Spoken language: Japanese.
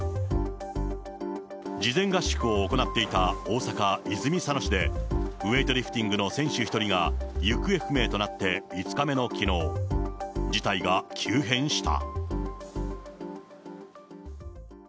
事前合宿を行っていた大阪・泉佐野市でウエイトリフティングの選手１人が行方不明となって５日目のきのう、事態が急変した。